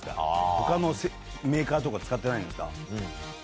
他のメーカーとか使ってないんですか？